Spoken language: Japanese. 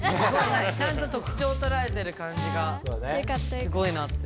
ちゃんと特ちょうをとらえてるかんじがすごいなって。